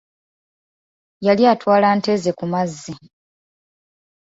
Yali atwala nte zze ku mazzi.